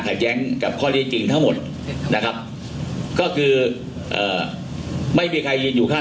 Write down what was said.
เพื่อจะเอาความเป็นธรรมมาคืนสู่ภูตาล